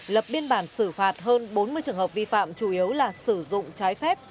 lập biên bản xử phạt hơn bốn mươi trường hợp vi phạm chủ yếu là sử dụng trái phép